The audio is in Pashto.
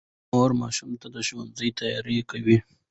مور ماشوم ته د ښوونځي تیاری کوي